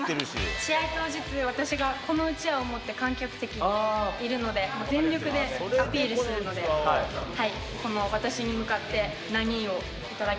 試合当日、私がこのうちわを持って観客席にいるので、全力でアピールするので、私に向かってなにー？